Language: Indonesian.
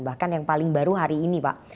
bahkan yang paling baru hari ini pak